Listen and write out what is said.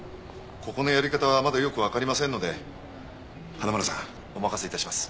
ここのやり方はまだよくわかりませんので花村さんお任せ致します。